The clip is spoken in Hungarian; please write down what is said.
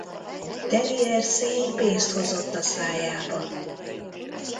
Teli erszény pénzt hozott a szájában.